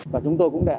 và chúng tôi cũng đã